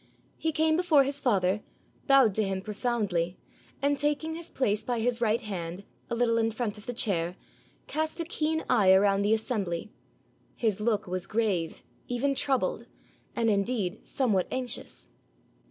He came before his father, bowed to him profoundly, and taking his place by his right hand, a little in front of the chair, cast a keen eye around the assembly. His look was grave, even troubled, and indeed somewhat anxious.